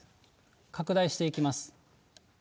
拡大していきます。